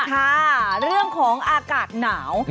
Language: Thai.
ค่ะเรื่องของอากาศหนาว